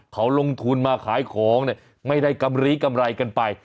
เขาลงทุนมาขายของเนี่ยไม่ได้กำลีกำไรกันไป